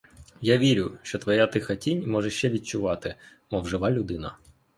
Я вірю, що твоя тиха тінь може ще відчувати, мов жива людина.